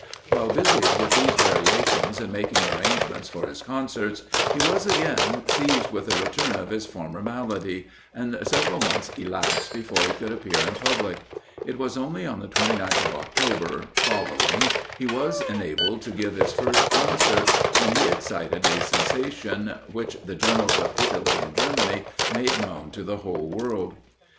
While busied with these variations, and making arrangements for his concerts, he was again seized with a return of his former malady, and several months elapsed before he could appear in public. It was only on the 29th of October following he was enabled to give his first concert, when he excited a sensation which the journals of Italy and Germany made known to the whole world.